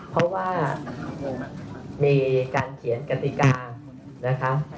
เพราะว่ามีการเขียนกติกานะคะ